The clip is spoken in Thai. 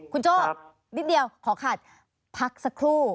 คุณโจ้นิดเดียวขอขัดพักสักครู่